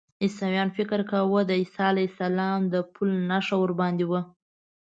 عیسویانو فکر کاوه د عیسی علیه السلام د پل نښه ورباندې وه.